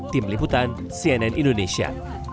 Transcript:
tim liputan cnn indonesia